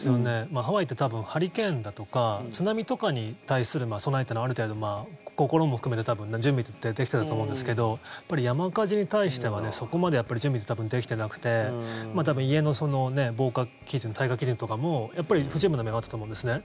ハワイって多分ハリケーンだとか津波とかに対する備えというのはある程度、心も含めて準備できていたと思うんですけど山火事に対してはそこまで準備ってできてなくて多分、家の防火基準耐火基準とかもやっぱり不十分な面があったと思うんですね。